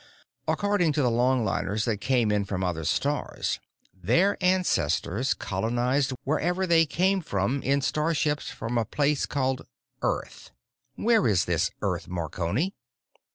According to the longliners that come in from other stars, their ancestors colonized wherever they came from in starships from a place called Earth. Where is this Earth, Marconi?"